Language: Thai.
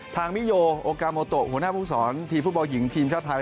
มิโยโอกาโมโตหัวหน้าภูมิสอนทีมฟุตบอลหญิงทีมชาติไทย